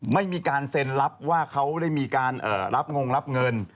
ไม่มีการเซ็นรับว่าเขาได้มีการรับงงรับเงิน